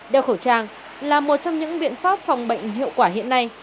đeo khẩu trang là một trong những biện pháp phòng bệnh hiệu quả hiện nay